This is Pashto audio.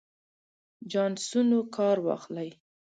چانسونو کار واخلئ.